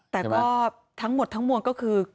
แต่ก็ทั้งหมดทั้งมวลก็คือ